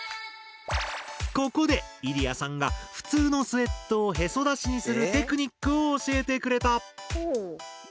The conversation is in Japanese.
ここでイリヤさんが普通のスウェットをヘソだしにするテクニックを教えてくれた。